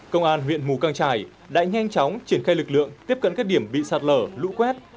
công an huyện mù căng trải đã nhanh chóng triển khai lực lượng tiếp cận các điểm bị sạt lở lũ quét